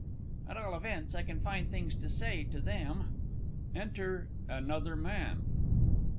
At all events I can find things to say to them. Enter ANOTHER MAN.